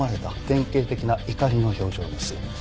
典型的な怒りの表情です。